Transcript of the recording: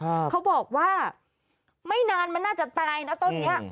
เขาบอกว่าไม่นานมันน่าจะตายนะต้นเนี้ย